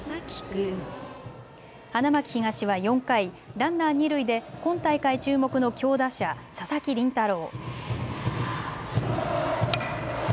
花巻東は４回、ランナー二塁で今大会注目の強打者、佐々木麟太郎。